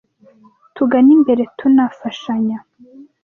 Tugane imbere tuna fashyamya.